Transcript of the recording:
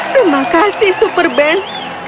terima kasih super ben